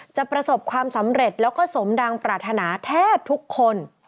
ประสบความสำเร็จแล้วก็สมดังปรารถนาแทบทุกคน